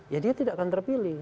ya dia tidak akan terpilih